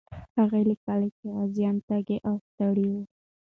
هغه لیکي چې غازیان تږي او ستړي وو.